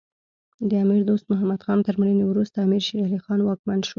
د امیر دوست محمد خان تر مړینې وروسته امیر شیر علی خان واکمن شو.